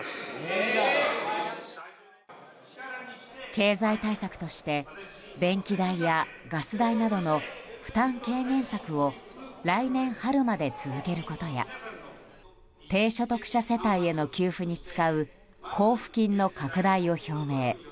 経済対策として電気代やガス代などの負担軽減策を来年春まで続けることや低所得者世帯への給付に使う交付金の拡大を表明。